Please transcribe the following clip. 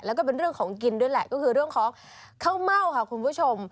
แล้วก็เป็นเรื่องของกินด้วยแหละก็คือเรื่องของข้าวเม่าค่ะคุณผู้ชม